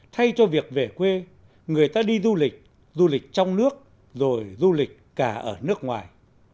thay cho việc về quê người ta đi du lịch du lịch trong nước rồi du lịch cả ở nước ngoài